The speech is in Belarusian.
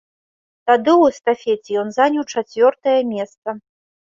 Тады ў эстафеце ён заняў чацвёртае месца.